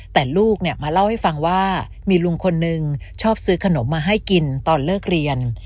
แต่ลูกเนี่ยมาเล่าให้ฟังว่ามีลุงคนนึงชอบซื้อขนมมาให้กินตอนเลิกเรียน